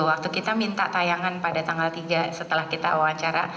waktu kita minta tayangan pada tanggal tiga setelah kita wawancara